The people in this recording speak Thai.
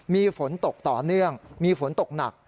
มีฝนตกต่อเนื่องมีฝนตกหนัก